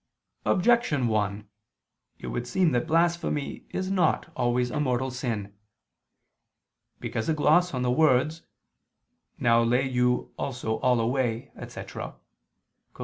Objection 1: It would seem that blasphemy is not always a mortal sin. Because a gloss on the words, "Now lay you also all away," etc. (Col.